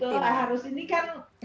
itu lah harus ini kan